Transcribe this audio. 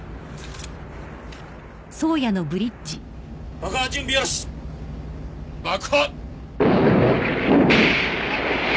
爆破準備よし爆破！